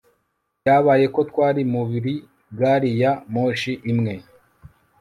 Byabaye ko twari muri gari ya moshi imwe